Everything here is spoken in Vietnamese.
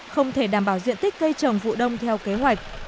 không thể đảm bảo diện tích cây trồng vụ đông theo kế hoạch